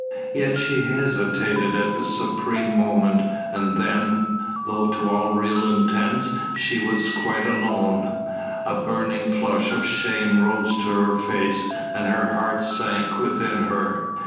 Yet she hesitated at the supreme moment, and then, though to all real intents she was quite alone, a burning flush of shame rose to her face, and her heart sank within her.